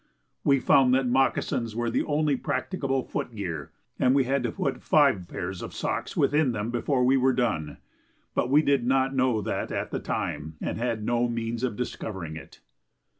We found that moccasins were the only practicable foot gear; and we had to put five pairs of socks within them before we were done. But we did not know that at the time and had no means of discovering it.